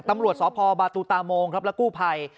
ตำรวจสพบาตูตามงครับและกู้ภัย